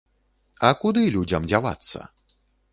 А куды людзям дзявацца?